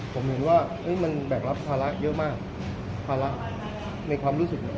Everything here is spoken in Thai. ผมเห็นว่ามันแบกรับภาระเยอะมากภาระในความรู้สึก